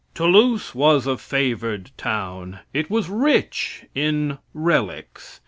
Toulouse was a favored town. It was rich in relics.